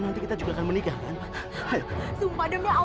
enak saja kamu berani mengaku aku sebagai dana